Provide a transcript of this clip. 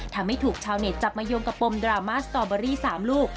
ทำให้ถูกชาวเน็ตจับมาโยงกับปมดราม่าสตอเบอรี่๓ลูก